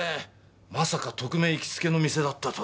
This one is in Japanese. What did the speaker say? まさか特命行きつけの店だったとは。